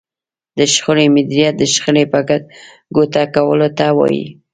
د شخړې مديريت د شخړې په ګوته کولو ته وايي.